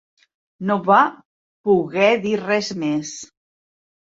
No va poguer dir res més